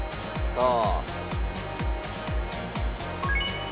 さあ。